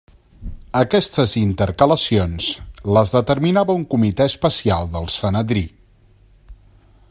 Aquestes intercalacions les determinava un comitè especial del Sanedrí.